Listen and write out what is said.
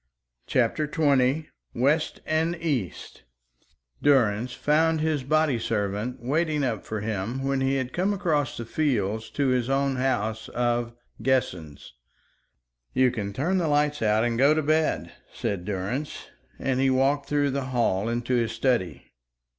CHAPTER XX WEST AND EAST Durrance found his body servant waiting up for him when he had come across the fields to his own house of "Guessens." "You can turn the lights out and go to bed," said Durrance, and he walked through the hall into his study.